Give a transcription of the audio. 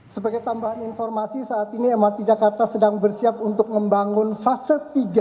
sebagai tambahan informasi saat ini mrt jakarta sedang bersiap untuk membangun fase tiga